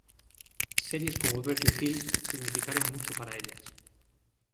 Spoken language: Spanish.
Series como Beverly Hills significaron mucho para ellas.